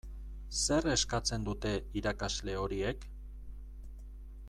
Zer eskatzen dute irakasle horiek?